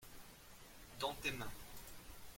Dans tes mains.